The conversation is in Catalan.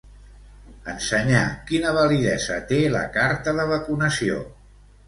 Ensenyar quina validesa té la carta de vacunació.